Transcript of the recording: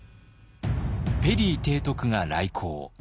ペリー提督が来航。